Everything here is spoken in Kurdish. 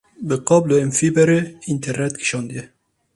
Bi kabloyên fîberê înternet kişandiye.